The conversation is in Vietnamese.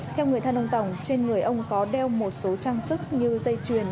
theo người thân ông tòng trên người ông có đeo một số trang sức như dây truyền